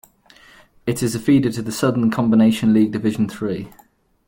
It is a feeder to the Southern Combination League Division Three.